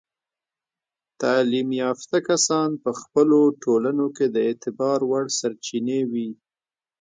تعلیم یافته کسان په خپلو ټولنو کې د اعتبار وړ سرچینې وي.